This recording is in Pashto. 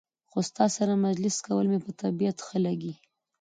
خو ستا سره مجلس کول مې په طبیعت ښه لګي.